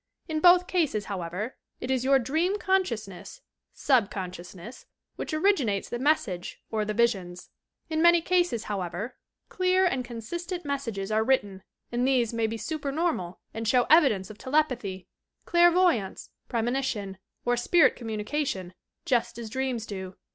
In both cases, however, it is your dream consciousness (subconsciousness) which originates the messages or the visions. In many cases, however, clear and consistent messages are written and these may be supernormal and show evidence of telepathy, clairvoyance, premonition, or spirit communication, just as dreams do.